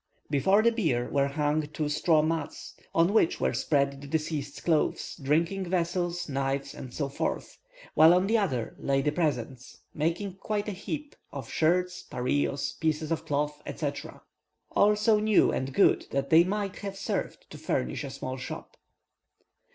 Before the bier were hung two straw mats, on which were spread the deceased's clothes, drinking vessels, knives, and so forth, while on the other, lay the presents, making quite a heap, of shirts, pareos, pieces of cloth, etc., all so new and good that they might have served to furnish a small shop.